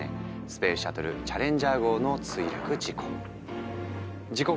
スペースシャトルチャレンジャー号の墜落事故。